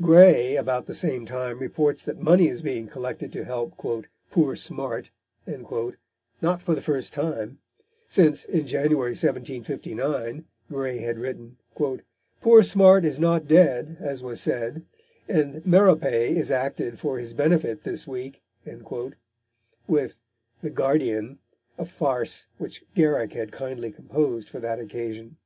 Gray about the same time reports that money is being collected to help "poor Smart," not for the first time, since in January 1759, Gray had written: "Poor Smart is not dead, as was said, and Merope is acted for his benefit this week," with the Guardian, a farce which Garrick had kindly composed for that occasion.